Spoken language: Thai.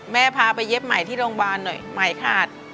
แม่พาไปเย็บไหม้ที่โรงพลังหน่อยไหม้ขาด